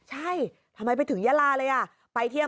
ใช่ทำไมไปถึงยาลาเลยอ่ะ